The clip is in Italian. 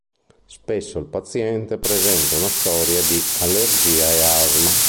Spesso il paziente presenta una storia di allergia e asma.